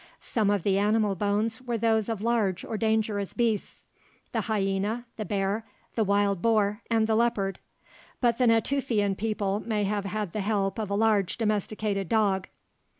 Some of the animal bones were those of large or dangerous beasts: the hyena, the bear, the wild boar, and the leopard. But the Natufian people may have had the help of a large domesticated dog.